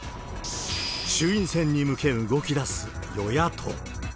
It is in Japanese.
衆院選に向け動きだす与野党。